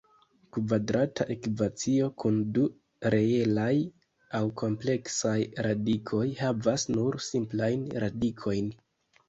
Kvadrata ekvacio kun du reelaj aŭ kompleksaj radikoj havas nur simplajn radikojn.